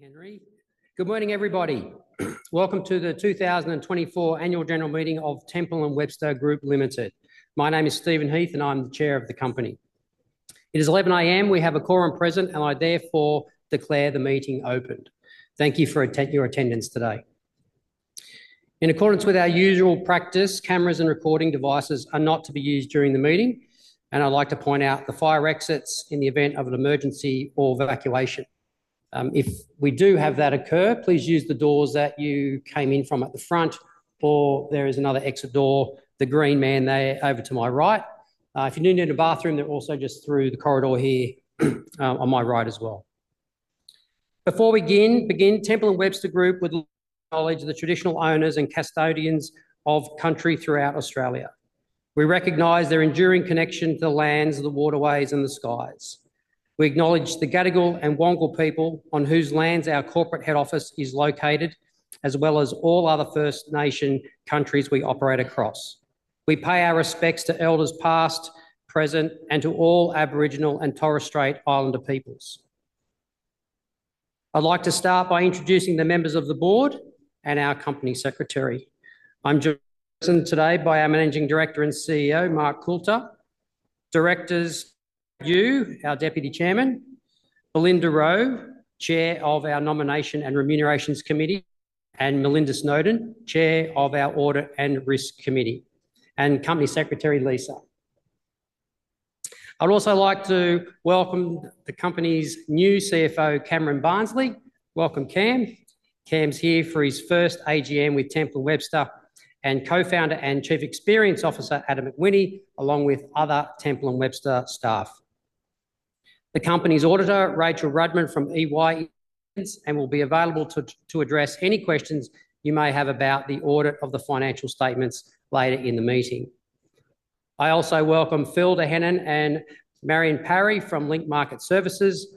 Morning, Henry. Good morning, everybody. Welcome to the 2024 Annual General Meeting of Temple & Webster Group Limited. My name is Stephen Heath, and I'm the Chair of the company. It is 11:00 A.M., we have a quorum present, and I therefore declare the meeting opened. Thank you for your attendance today. In accordance with our usual practice, cameras and recording devices are not to be used during the meeting, and I'd like to point out the fire exits in the event of an emergency or evacuation. If we do have that occur, please use the doors that you came in from at the front, or there is another exit door, the green man there over to my right. If you do need a bathroom, they're also just through the corridor here, on my right as well. Before we begin, Temple & Webster Group would acknowledge the traditional owners and custodians of country throughout Australia. We recognize their enduring connection to the lands, the waterways, and the skies. We acknowledge the Gadigal and Wangal people, on whose lands our corporate head office is located, as well as all other First Nation countries we operate across. We pay our respects to elders past, present, and to all Aboriginal and Torres Strait Islander peoples. I'd like to start by introducing the members of the board and our company secretary. I'm joined today by our Managing Director and CEO, Mark Coulter; directors, Conrad Yiu, our Deputy Chairman; Belinda Rowe, Chair of our Nomination and Remuneration Committee; and Melinda Snowden, Chair of our Audit and Risk Committee; and Company Secretary, Lisa Jones. I'd also like to welcome the company's new CFO, Cameron Barnsley. Welcome, Cam. Cam's here for his first AGM with Temple & Webster, and Co-founder and Chief Experience Officer, Adam McWhinney, along with other Temple & Webster staff. The company's auditor, Rachel Rudman, from EY, and will be available to address any questions you may have about the audit of the financial statements later in the meeting. I also welcome Phil Dehennin and Marian Perry from Link Market Services,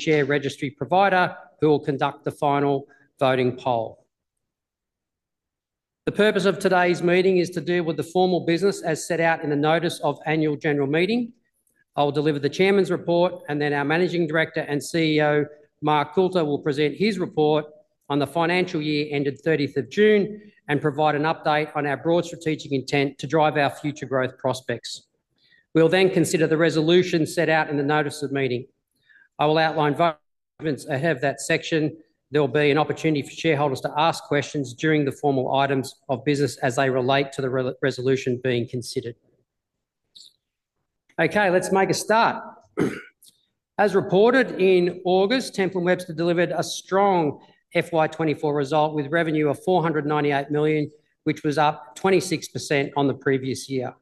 share registry provider, who will conduct the final voting poll. The purpose of today's meeting is to deal with the formal business as set out in the notice of annual general meeting. I will deliver the chairman's report, and then our Managing Director and CEO, Mark Coulter, will present his report on the financial year ended thirtieth of June, and provide an update on our broad strategic intent to drive our future growth prospects. We'll then consider the resolution set out in the notice of meeting. I will outline votes ahead of that section. There will be an opportunity for shareholders to ask questions during the formal items of business as they relate to the resolution being considered. Okay, let's make a start. As reported in August, Temple & Webster delivered a strong FY 2024 result, with revenue of 498 million, which was up 26% on the previous year.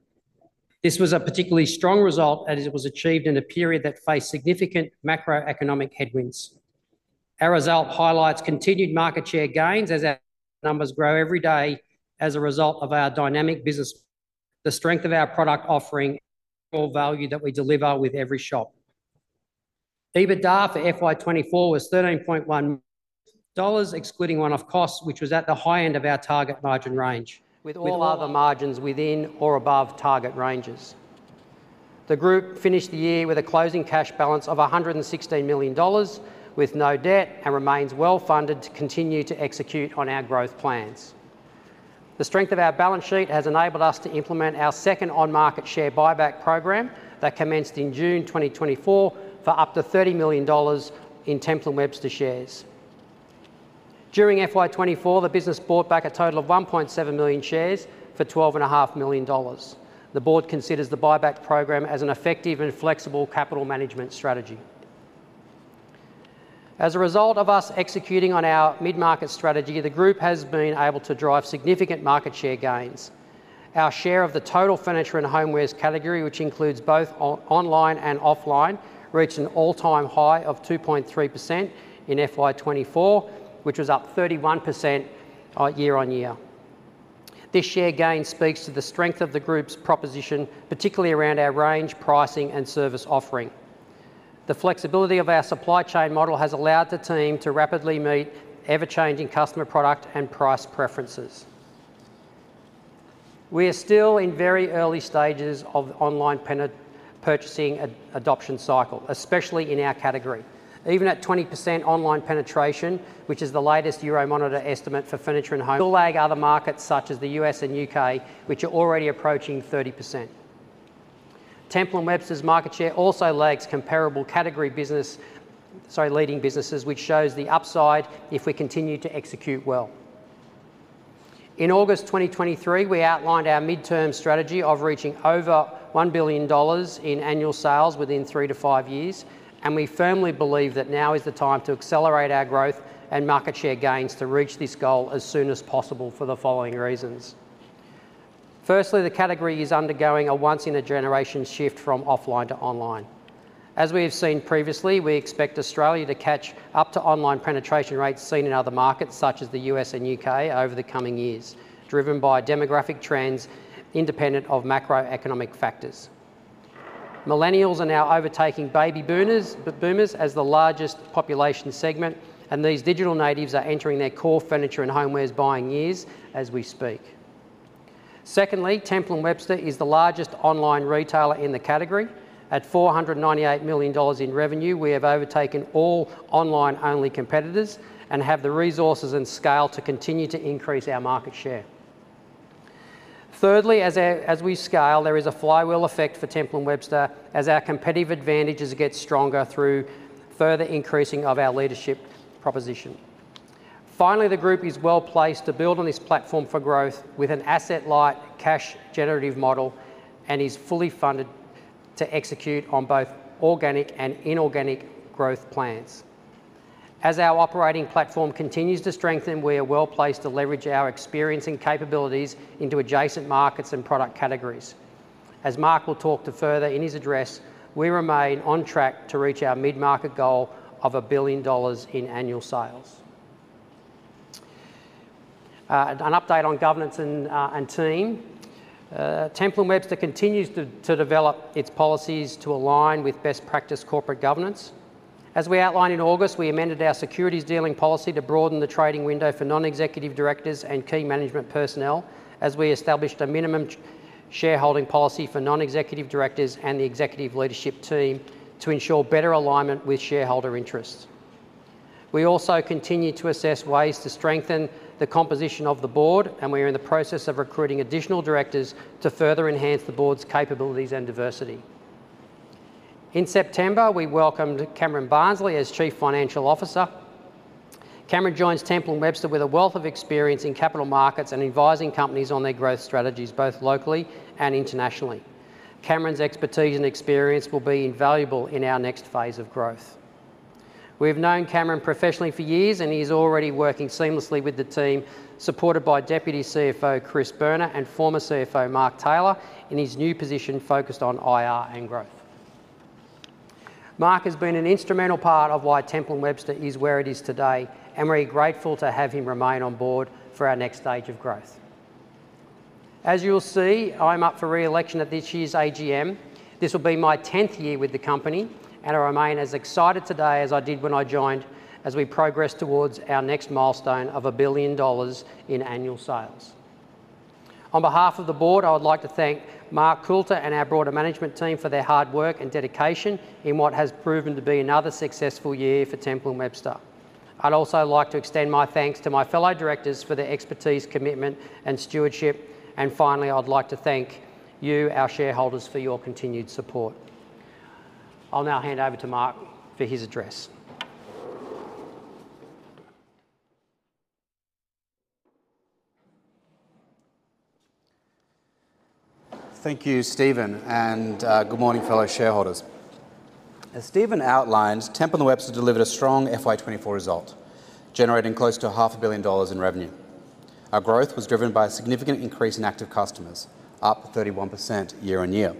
This was a particularly strong result, as it was achieved in a period that faced significant macroeconomic headwinds. Our result highlights continued market share gains as our numbers grow every day as a result of our dynamic business, the strength of our product offering, our value that we deliver with every shop. EBITDA for FY 2024 was AUD 13.1 million, excluding one-off costs, which was at the high end of our target margin range, with all other margins within or above target ranges. The group finished the year with a closing cash balance of 116 million dollars, with no debt, and remains well-funded to continue to execute on our growth plans. The strength of our balance sheet has enabled us to implement our second on-market share buyback program that commenced in June 2024 for up to 30 million dollars in Temple & Webster shares. During FY 2024, the business bought back a total of 1.7 million shares for 12.5 million dollars. The board considers the buyback program as an effective and flexible capital management strategy. As a result of us executing on our mid-market strategy, the group has been able to drive significant market share gains. Our share of the total furniture and homewares category, which includes both online and offline, reached an all-time high of 2.3% in FY 2024, which was up 31% year on year. This share gain speaks to the strength of the group's proposition, particularly around our range, pricing, and service offering. The flexibility of our supply chain model has allowed the team to rapidly meet ever-changing customer product and price preferences. We are still in very early stages of online penetration adoption cycle, especially in our category. Even at 20% online penetration, which is the latest Euromonitor estimate for furniture and home, we lag other markets, such as the U.S. and U.K., which are already approaching 30%. Temple & Webster's market share also lags comparable category business - sorry, leading businesses, which shows the upside if we continue to execute well. In August 2023, we outlined our midterm strategy of reaching over 1 billion dollars in annual sales within three to five years, and we firmly believe that now is the time to accelerate our growth and market share gains to reach this goal as soon as possible for the following reasons: firstly, the category is undergoing a once-in-a-generation shift from offline to online. As we have seen previously, we expect Australia to catch up to online penetration rates seen in other markets, such as the U.S. and U.K., over the coming years, driven by demographic trends independent of macroeconomic factors. Millennials are now overtaking baby boomers as the largest population segment, and these digital natives are entering their core furniture and homewares buying years as we speak. Secondly, Temple & Webster is the largest online retailer in the category. At 498 million dollars in revenue, we have overtaken all online-only competitors and have the resources and scale to continue to increase our market share. Thirdly, as we scale, there is a flywheel effect for Temple & Webster as our competitive advantages get stronger through further increasing of our leadership proposition. Finally, the group is well-placed to build on this platform for growth with an asset-light, cash-generative model and is fully funded to execute on both organic and inorganic growth plans. As our operating platform continues to strengthen, we are well-placed to leverage our experience and capabilities into adjacent markets and product categories. As Mark will talk to further in his address, we remain on track to reach our mid-market goal of 1 billion dollars in annual sales. An update on governance and team. Temple & Webster continues to develop its policies to align with best practice corporate governance. As we outlined in August, we amended our securities dealing policy to broaden the trading window for non-executive directors and key management personnel, as we established a minimum shareholding policy for non-executive directors and the executive leadership team to ensure better alignment with shareholder interests. We also continue to assess ways to strengthen the composition of the board, and we are in the process of recruiting additional directors to further enhance the board's capabilities and diversity. In September, we welcomed Cameron Barnsley as Chief Financial Officer. Cameron joins Temple & Webster with a wealth of experience in capital markets and advising companies on their growth strategies, both locally and internationally. Cameron's expertise and experience will be invaluable in our next phase of growth. We've known Cameron professionally for years, and he's already working seamlessly with the team, supported by Deputy CFO Chris Berner and former CFO Mark Taylor, in his new position focused on IR and growth. Mark has been an instrumental part of why Temple & Webster is where it is today, and we're grateful to have him remain on board for our next stage of growth. As you will see, I'm up for re-election at this year's AGM. This will be my tenth year with the company, and I remain as excited today as I did when I joined, as we progress towards our next milestone of 1 billion dollars in annual sales. On behalf of the board, I would like to thank Mark Coulter and our broader management team for their hard work and dedication in what has proven to be another successful year for Temple & Webster. I'd also like to extend my thanks to my fellow directors for their expertise, commitment, and stewardship. And finally, I'd like to thank you, our shareholders, for your continued support. I'll now hand over to Mark for his address. Thank you, Stephen, and good morning, fellow shareholders. As Stephen outlined, Temple & Webster delivered a strong FY 2024 result, generating close to $500 million in revenue. Our growth was driven by a significant increase in active customers, up 31% year on year.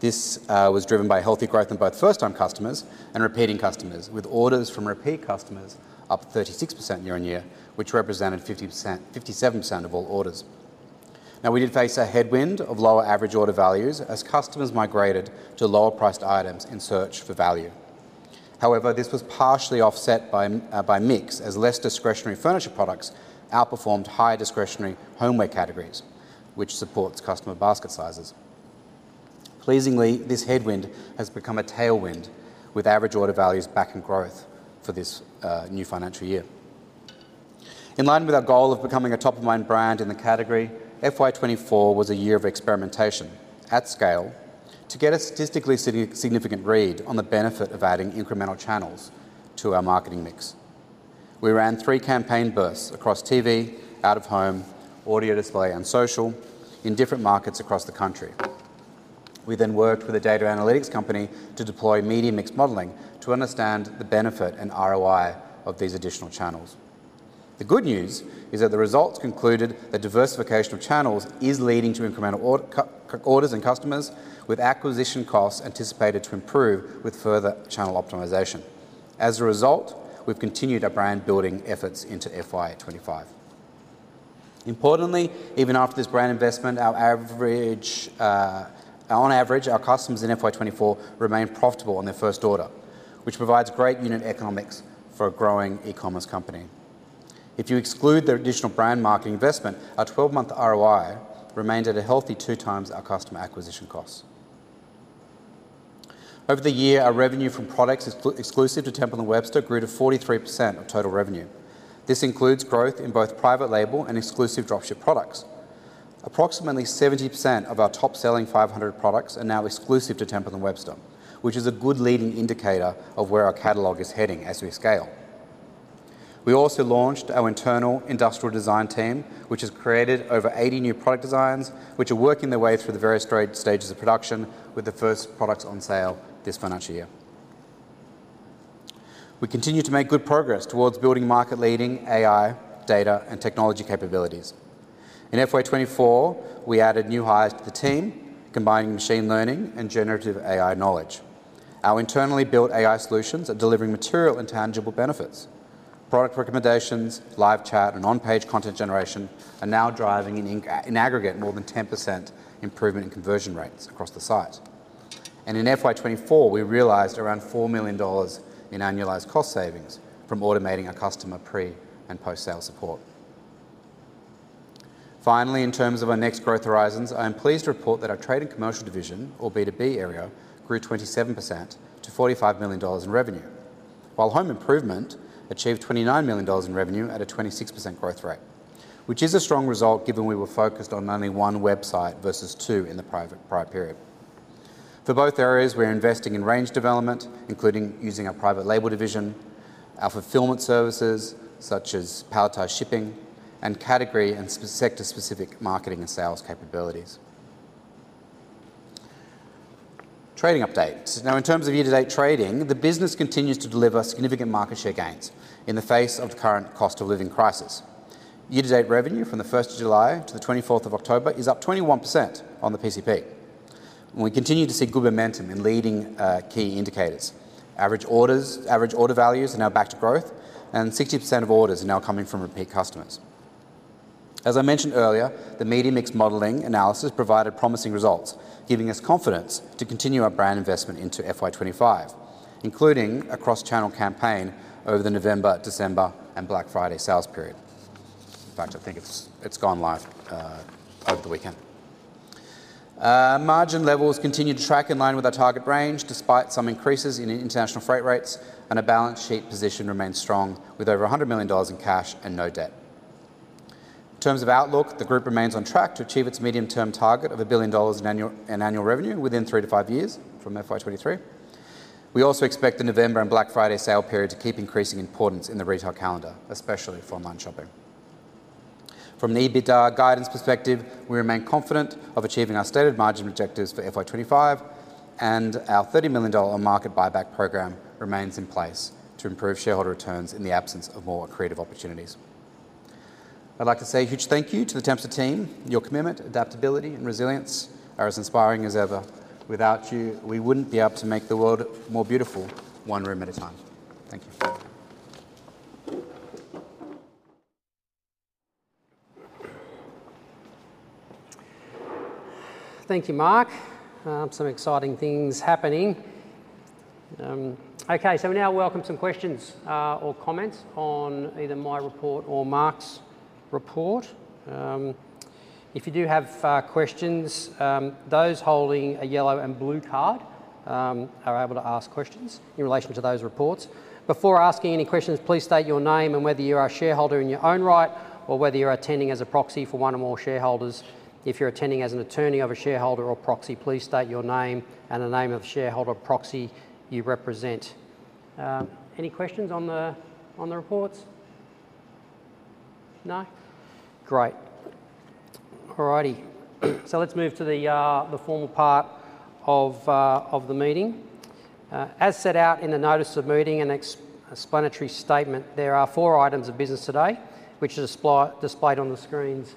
This was driven by healthy growth in both first-time customers and repeating customers, with orders from repeat customers up 36% year on year, which represented 57% of all orders. Now, we did face a headwind of lower average order values as customers migrated to lower-priced items in search for value. However, this was partially offset by mix, as less discretionary furniture products outperformed higher discretionary homeware categories, which supports customer basket sizes. Pleasingly, this headwind has become a tailwind, with average order values back in growth for this new financial year. In line with our goal of becoming a top-of-mind brand in the category, FY 2024 was a year of experimentation at scale to get a statistically significant read on the benefit of adding incremental channels to our marketing mix. We ran three campaign bursts across TV, out-of-home, audio display, and social in different markets across the country. We then worked with a data analytics company to deploy media mix modeling to understand the benefit and ROI of these additional channels. The good news is that the results concluded that diversification of channels is leading to incremental orders and customers, with acquisition costs anticipated to improve with further channel optimization. As a result, we've continued our brand-building efforts into FY 2025. Importantly, even after this brand investment, our average... On average, our customers in FY 2024 remained profitable on their first order, which provides great unit economics for a growing e-commerce company. If you exclude the additional brand marketing investment, our 12-month ROI remains at a healthy two times our customer acquisition costs. Over the year, our revenue from products exclusive to Temple & Webster grew to 43% of total revenue. This includes growth in both private label and exclusive dropship products. Approximately 70% of our top-selling 500 products are now exclusive to Temple & Webster, which is a good leading indicator of where our catalog is heading as we scale. We also launched our internal industrial design team, which has created over 80 new product designs, which are working their way through the various trade stages of production, with the first products on sale this financial year. We continue to make good progress towards building market-leading AI, data, and technology capabilities. In FY 2024, we added new hires to the team, combining machine learning and generative AI knowledge. Our internally built AI solutions are delivering material and tangible benefits. Product recommendations, live chat, and on-page content generation are now driving, in aggregate, more than 10% improvement in conversion rates across the site, and in FY 2024, we realized around 4 million dollars in annualized cost savings from automating our customer pre- and post-sale support. Finally, in terms of our next growth horizons, I am pleased to report that our trade and commercial division, or B2B area, grew 27% to 45 million dollars in revenue, while home improvement achieved 29 million dollars in revenue at a 26% growth rate, which is a strong result given we were focused on only one website versus two in the prior period. For both areas, we're investing in range development, including using our private label division, our fulfillment services, such as palletized shipping, and category and sector-specific marketing and sales capabilities. Trading update. Now, in terms of year-to-date trading, the business continues to deliver significant market share gains in the face of the current cost of living crisis. Year-to-date revenue from the 1st of July to the 24th of October is up 21% on the PCP, and we continue to see good momentum in leading key indicators. Average order values are now back to growth, and 60% of orders are now coming from repeat customers. As I mentioned earlier, the media mix modeling analysis provided promising results, giving us confidence to continue our brand investment into FY 2025, including a cross-channel campaign over the November, December, and Black Friday sales period. In fact, I think it's gone live over the weekend. Margin levels continued to track in line with our target range, despite some increases in international freight rates, and our balance sheet position remains strong, with over 100 million dollars in cash and no debt. In terms of outlook, the group remains on track to achieve its medium-term target of 1 billion dollars in annual revenue within three to five years from FY 2023. We also expect the November and Black Friday sale period to keep increasing importance in the retail calendar, especially for online shopping. From the EBITDA guidance perspective, we remain confident of achieving our stated margin objectives for FY 2025, and our 30 million dollar market buyback program remains in place to improve shareholder returns in the absence of more creative opportunities. I'd like to say a huge thank you to the Temple team. Your commitment, adaptability and resilience are as inspiring as ever. Without you, we wouldn't be able to make the world more beautiful, one room at a time. Thank you. Thank you, Mark. Some exciting things happening. Okay, so we now welcome some questions, or comments on either my report or Mark's report. If you do have questions, those holding a yellow and blue card are able to ask questions in relation to those reports. Before asking any questions, please state your name and whether you're a shareholder in your own right, or whether you're attending as a proxy for one or more shareholders. If you're attending as an attorney of a shareholder or proxy, please state your name and the name of the shareholder or proxy you represent. Any questions on the reports? No? Great. All righty. So let's move to the formal part of the meeting. As set out in the notice of meeting and explanatory statement, there are four items of business today, which are displayed on the screens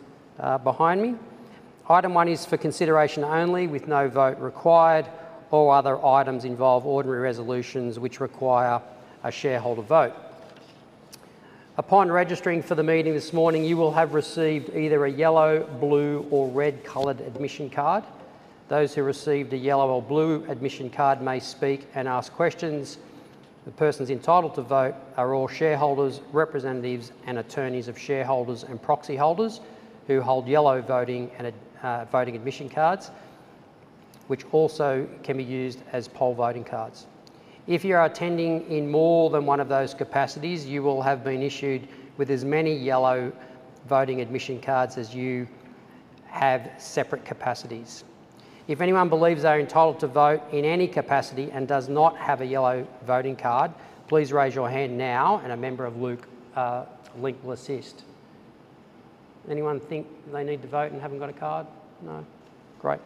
behind me. Item one is for consideration only, with no vote required. All other items involve ordinary resolutions, which require a shareholder vote. Upon registering for the meeting this morning, you will have received either a yellow, blue or red-colored admission card. Those who received a yellow or blue admission card may speak and ask questions. The persons entitled to vote are all shareholders, representatives, and attorneys of shareholders and proxyholders who hold yellow voting admission cards, which also can be used as poll voting cards. If you are attending in more than one of those capacities, you will have been issued with as many yellow voting admission cards as you have separate capacities. If anyone believes they're entitled to vote in any capacity and does not have a yellow voting card, please raise your hand now and a member of Link will assist. Anyone think they need to vote and haven't got a card? No. Great.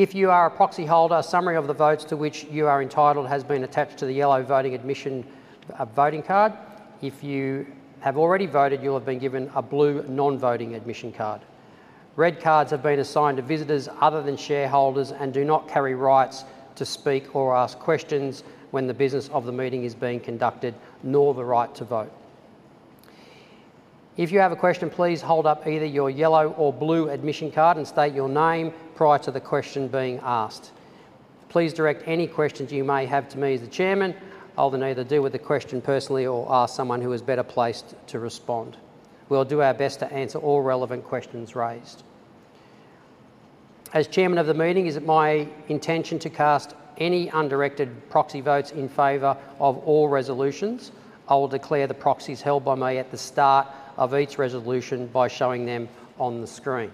If you are a proxyholder, a summary of the votes to which you are entitled has been attached to the yellow voting admission, voting card. If you have already voted, you will have been given a blue non-voting admission card. Red cards have been assigned to visitors other than shareholders and do not carry rights to speak or ask questions when the business of the meeting is being conducted, nor the right to vote. If you have a question, please hold up either your yellow or blue admission card and state your name prior to the question being asked. Please direct any questions you may have to me as the chairman. I'll then either deal with the question personally or ask someone who is better placed to respond. We'll do our best to answer all relevant questions raised. As chairman of the meeting, it is my intention to cast any undirected proxy votes in favor of all resolutions. I will declare the proxies held by me at the start of each resolution by showing them on the screen.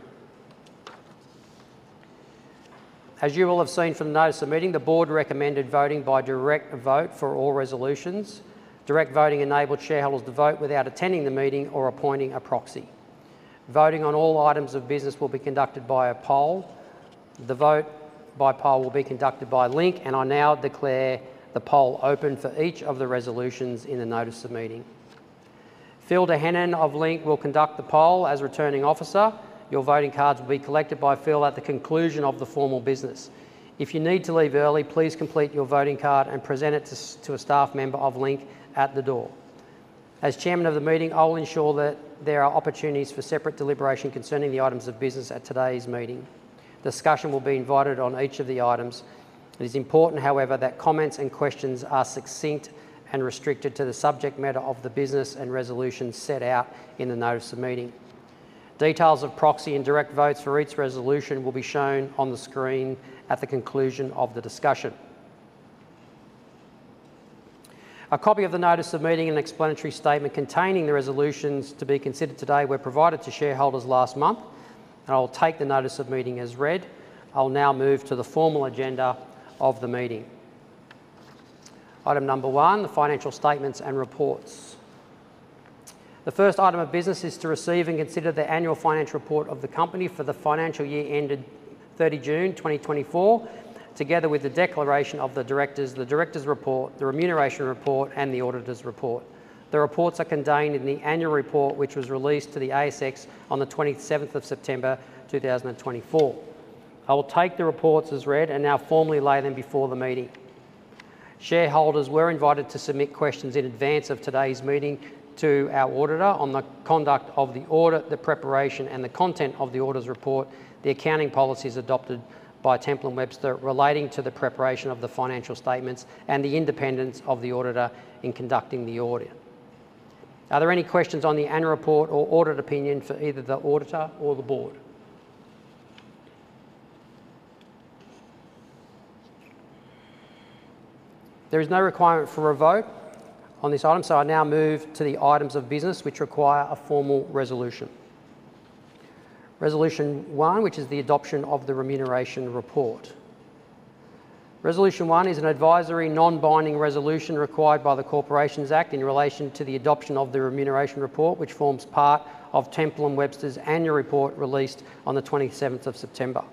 As you will have seen from the notice of meeting, the board recommended voting by direct vote for all resolutions. Direct voting enables shareholders to vote without attending the meeting or appointing a proxy. Voting on all items of business will be conducted by a poll. The vote by poll will be conducted by Link, and I now declare the poll open for each of the resolutions in the notice of meeting. Phil Dehennin of Link will conduct the poll as Returning Officer. Your voting cards will be collected by Phil at the conclusion of the formal business. If you need to leave early, please complete your voting card and present it to a staff member of Link at the door. As Chairman of the meeting, I will ensure that there are opportunities for separate deliberation concerning the items of business at today's meeting. Discussion will be invited on each of the items. It is important, however, that comments and questions are succinct and restricted to the subject matter of the business and resolutions set out in the notice of meeting. Details of proxy and direct votes for each resolution will be shown on the screen at the conclusion of the discussion. A copy of the notice of meeting and explanatory statement containing the resolutions to be considered today were provided to shareholders last month, and I'll take the notice of meeting as read. I'll now move to the formal agenda of the meeting. Item number one, the financial statements and reports. The first item of business is to receive and consider the annual financial report of the company for the financial year ended 30 June 2024, together with the declaration of the directors, the directors' report, the remuneration report, and the auditor's report. The reports are contained in the annual report, which was released to the ASX on the 27th of September, 2024. I will take the reports as read and now formally lay them before the meeting. Shareholders were invited to submit questions in advance of today's meeting to our auditor on the conduct of the audit, the preparation and the content of the auditor's report, the accounting policies adopted by Temple & Webster relating to the preparation of the financial statements, and the independence of the auditor in conducting the audit. Are there any questions on the annual report or audit opinion for either the auditor or the board? There is no requirement for a vote on this item, so I now move to the items of business which require a formal resolution. Resolution one, which is the adoption of the remuneration report. Resolution one is an advisory, non-binding resolution required by the Corporations Act in relation to the adoption of the remuneration report, which forms part of Temple & Webster's annual report released on the 27th of September.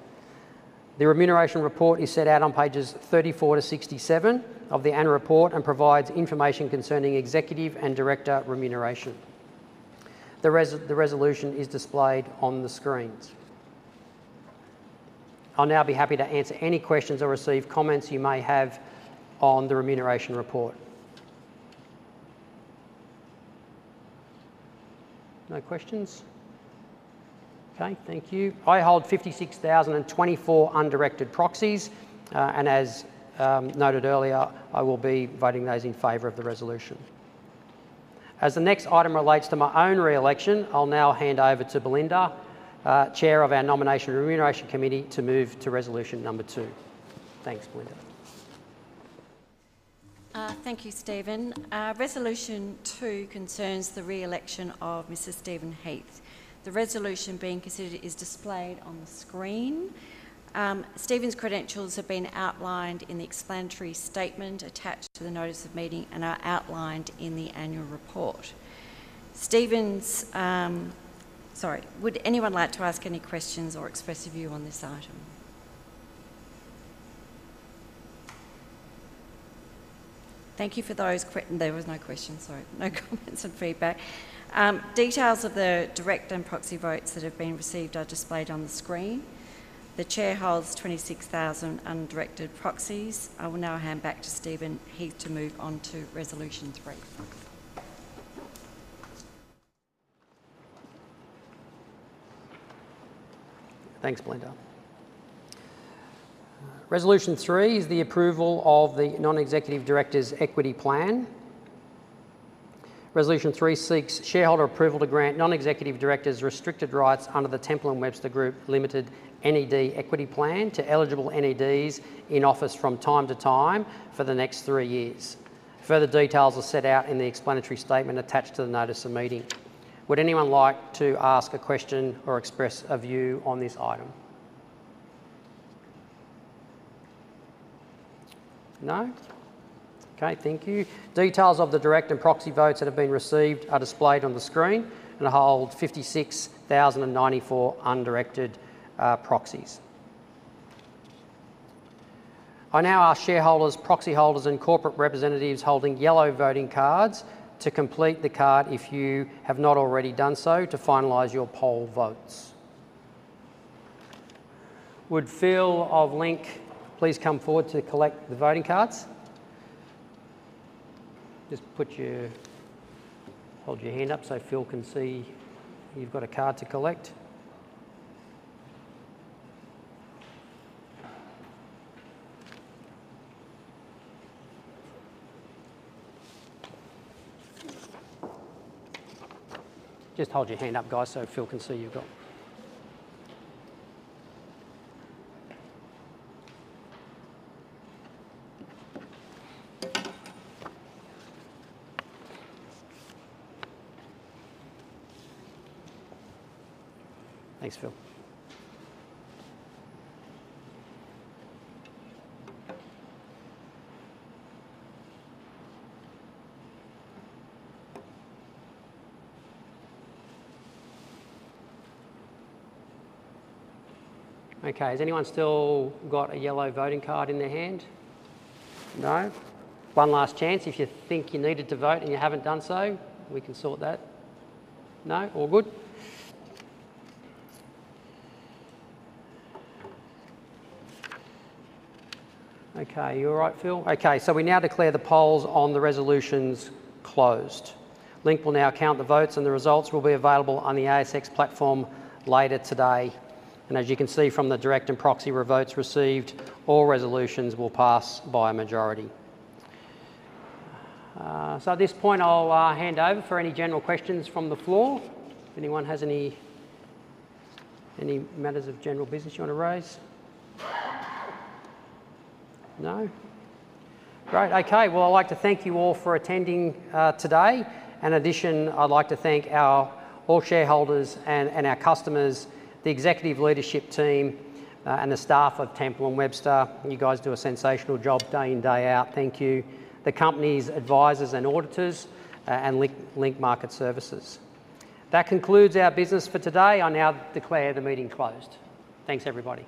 The remuneration report is set out on pages 34-67 of the annual report and provides information concerning executive and director remuneration. The resolution is displayed on the screens. I'll now be happy to answer any questions or receive comments you may have on the remuneration report. No questions? Okay, thank you. I hold 56,000 and 24 undirected proxies, and as noted earlier, I will be voting those in favor of the resolution. As the next item relates to my own re-election, I'll now hand over to Belinda, Chair of our Nomination and Remuneration Committee, to move to resolution number two. Thanks, Belinda. Thank you, Stephen. Resolution two concerns the re-election of Mr. Stephen Heath. The resolution being considered is displayed on the screen. Stephen's credentials have been outlined in the explanatory statement attached to the notice of meeting and are outlined in the annual report. Sorry, would anyone like to ask any questions or express a view on this item? Thank you for those. There was no questions, sorry. No comments and feedback. Details of the direct and proxy votes that have been received are displayed on the screen. The chair holds 26,000 undirected proxies. I will now hand back to Stephen Heath to move on to resolution three. Thanks, Belinda. Resolution three is the approval of the non-executive directors' equity plan. Resolution three seeks shareholder approval to grant non-executive directors restricted rights under the Temple & Webster Group Limited NED Equity Plan to eligible NEDs in office from time to time for the next three years. Further details are set out in the explanatory statement attached to the notice of meeting. Would anyone like to ask a question or express a view on this item? No? Okay, thank you. Details of the direct and proxy votes that have been received are displayed on the screen, and I hold 56,000 and 94 undirected proxies. I now ask shareholders, proxy holders and corporate representatives holding yellow voting cards to complete the card, if you have not already done so, to finalize your poll votes. Would Phil of Link please come forward to collect the voting cards? Hold your hand up so Phil can see you've got a card to collect. Just hold your hand up, guys, so Phil can see you've got... Thanks, Phil. Okay, has anyone still got a yellow voting card in their hand? No. One last chance, if you think you needed to vote and you haven't done so, we can sort that. No, all good? Okay, you all right, Phil? Okay, so we now declare the polls on the resolutions closed. Link will now count the votes, and the results will be available on the ASX platform later today, and as you can see from the direct and proxy votes received, all resolutions will pass by a majority, so at this point, I'll hand over for any general questions from the floor. If anyone has any matters of general business you want to raise? No? Great. Okay, well, I'd like to thank you all for attending today. In addition, I'd like to thank our all shareholders and our customers, the executive leadership team, and the staff of Temple & Webster. You guys do a sensational job day in, day out. Thank you. The company's advisors and auditors, and Link Market Services. That concludes our business for today. I now declare the meeting closed. Thanks, everybody.